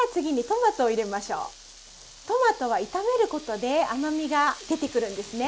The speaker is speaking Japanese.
トマトは炒めることで甘みが出てくるんですね。